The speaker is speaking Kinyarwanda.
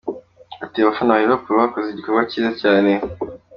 Ati “Abafana ba Liverpool bakoze igikorwa cyiza cyane.